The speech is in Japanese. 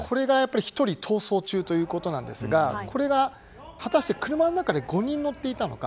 １人逃走中ということですがこれが、果たして車の中に５人、乗っていたのか。